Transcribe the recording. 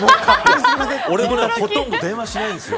俺もほとんど電話しないんですよ。